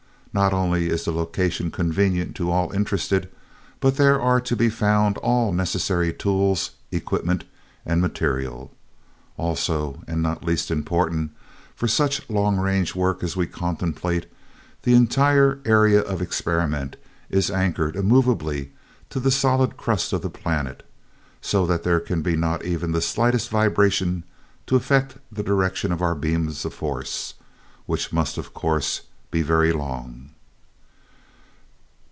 Not only is the location convenient to all interested, but there are to be found all necessary tools, equipment and material. Also, and not least important for such long range work as we contemplate, the entire Area of Experiment is anchored immovably to the solid crust of the planet, so that there can be not even the slightest vibration to affect the direction of our beams of force, which must, of course, be very long."